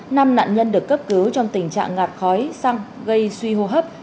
năm nạn nhân được cấp cứu trong tình trạng ngạt khói xăng gây suy hô hấp